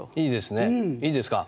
いいですか？